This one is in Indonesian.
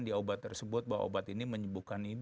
di obat tersebut bahwa obat ini menyembuhkan ini